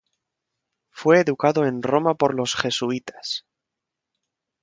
Fue educado en Roma por los jesuitas.